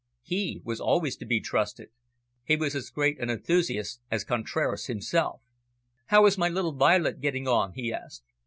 He was always to be trusted. He was as great an enthusiast as Contraras himself. "How is my little Violet getting on?" he asked.